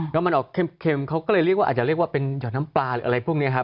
แล้วมันออกเค็มเขาก็เลยเรียกว่าอาจจะเรียกว่าเป็นหยอดน้ำปลาหรืออะไรพวกนี้ครับ